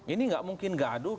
ini gak mungkin gaduh